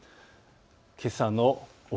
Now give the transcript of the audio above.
けさの奥